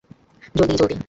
জলদি, জলদি।